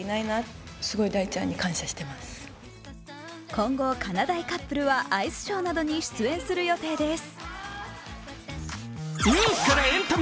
今後、かなだいカップルはアイスショーなどに出演する予定です。